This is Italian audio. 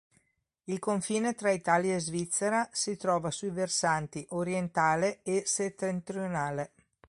Il confine tra Italia e Svizzera si trova sui versanti orientale e settentrionale.